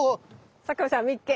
佐久間さん見っけ！